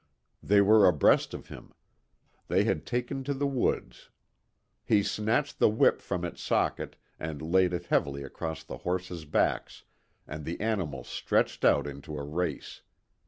They were abreast of him. They had taken to the woods. He snatched the whip from its socket and laid it heavily across the horses' backs, and the animals stretched out into a race.